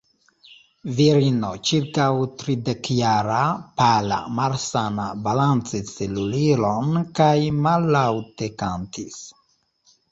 Virino ĉirkaŭ tridekjara, pala, malsana, balancis lulilon kaj mallaŭte kantis.